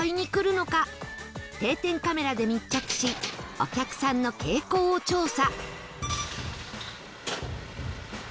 定点カメラで密着しお客さんの傾向を調査